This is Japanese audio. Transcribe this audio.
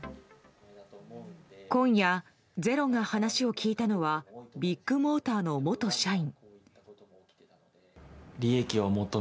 今夜「ｚｅｒｏ」が話を聞いたのはビッグモーターの元社員。